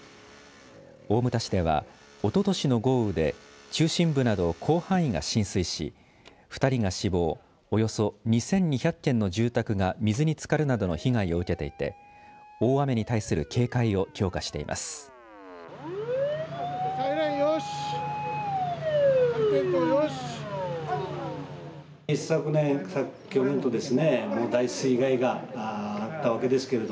大牟田市では、おととしの豪雨で中心部など広範囲が浸水し２人が死亡、およそ２２００軒の住宅が水につかるなどの被害を受けていて大雨に対する警戒を強化しています。